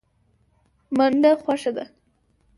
منډه خوښه ده.